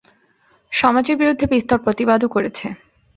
সমাজ এর বিরুদ্ধে বিস্তর প্রতিবাদও করছে।